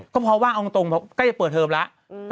ก็เพราะว่าตรงก็จะเปิดเทอมแล้ว